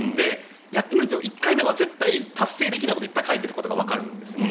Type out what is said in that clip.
やってみると、１回目は絶対達成できないことがいっぱい書いてあることがわかるんですね。